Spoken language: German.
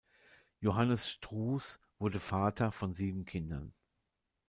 Johannes Stroux wurde Vater von sieben Kindern.